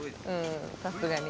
さすがに。